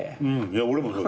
俺もそう。